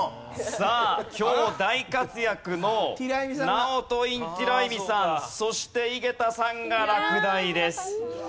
さあ今日大活躍のナオト・インティライミさんそして井桁さんが落第です。